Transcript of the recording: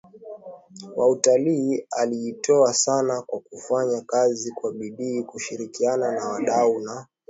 wa utalii Alijitoa sana kwa kufanya kazi kwa bidii kushirikiana na wadau na kwa